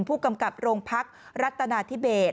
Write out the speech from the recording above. ผู้กำกับโรงพักรัฐนาธิเบส